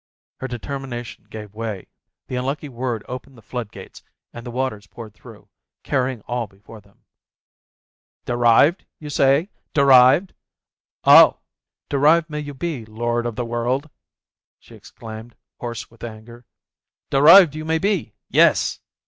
Her deter mination gave way, the unlucky word opened the flood gates, and the waters poured through, carrying all be fore them. "Derived, you say, derived? 0, derived may you be, Lord of the World," she exclaimed, hoarse with anger, "derived may you be ! Yes !